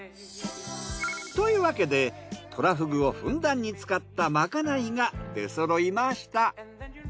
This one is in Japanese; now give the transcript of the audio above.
というわけでトラフグをふんだんに使ったまかないが出そろいました。